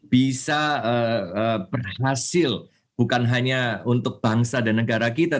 bisa berhasil bukan hanya untuk bangsa dan negara kita